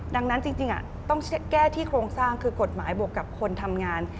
ดังนั้นจริงต้องแก้ที่โครงสร้างคือกฎหมายบวกกับคนทำงาน